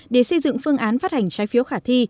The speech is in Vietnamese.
để xây dựng phương án phát hành trái phiếu khả thi